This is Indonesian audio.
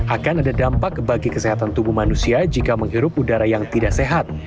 akan ada dampak bagi kesehatan tubuh manusia jika menghirup udara yang tidak sehat